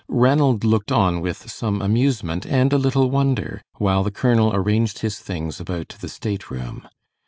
Ranald looked on with some amusement, and a little wonder, while the colonel arranged his things about the stateroom.